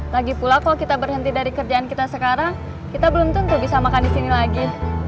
lagi pula kalau kita berhenti dari kerjaan kita sekarang kita belum tentu bisa makan di sini lagi